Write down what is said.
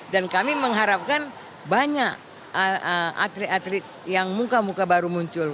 dan kami mengharapkan banyak atlet atlet yang muka muka baru muncul